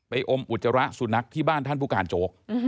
อมอุจจาระสุนัขที่บ้านท่านผู้การโจ๊ก